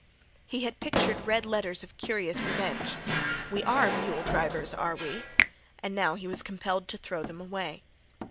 He had pictured red letters of curious revenge. "We are mule drivers, are we?" And now he was compelled to throw them away.